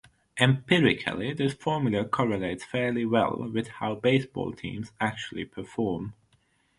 Empirically, this formula correlates fairly well with how baseball teams actually perform.